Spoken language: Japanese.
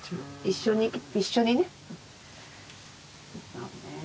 そうねえ。